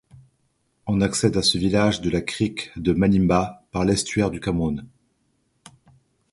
On accède à ce village de la crique de Malimba par l'estuaire du Cameroun.